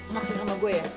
maksudnya sama gue ya